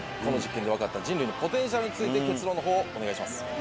この実験で分かった人類のポテンシャルについて結論のほうお願いします。